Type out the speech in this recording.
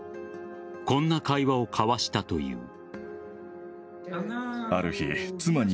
こんな会話を交わしたという。